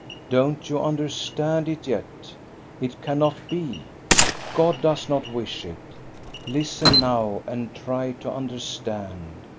" Don't you understand it yet? It cannot be. God does not wish it. Listen now and try to understand.